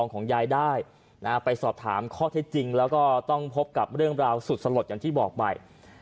ก็ต้องพบกับเรื่องราวสุดสลดยังที่บอกไป